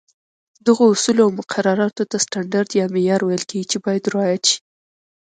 دغو اصولو او مقرراتو ته سټنډرډ یا معیار ویل کېږي، چې باید رعایت شي.